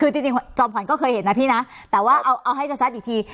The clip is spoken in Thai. คือจริงจอมขวัญก็เคยเห็นนะพี่นะแต่ว่าเอาให้ชัดอีกที